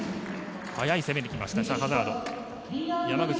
速い攻めで来ました